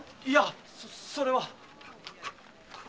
いゃそれは。